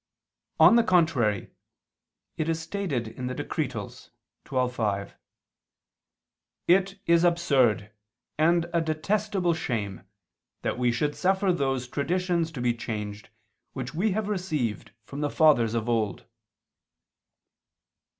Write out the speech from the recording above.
On the contrary, It is stated in the Decretals (Dist. xii, 5): "It is absurd, and a detestable shame, that we should suffer those traditions to be changed which we have received from the fathers of old."